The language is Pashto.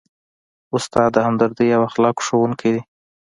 استاد د همدردۍ او اخلاقو ښوونکی دی.